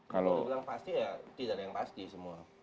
kalau dibilang pasti ya tidak ada yang pasti semua